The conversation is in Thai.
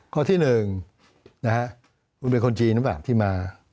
ข้อที่๑คุณเป็นคนจีนหรือเปล่าที่มา